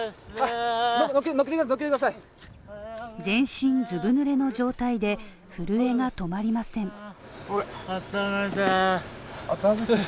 全身ずぶぬれの状態で震えが止まりません。